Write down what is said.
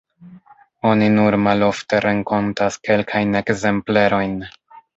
Oni nur malofte renkontas kelkajn ekzemplerojn.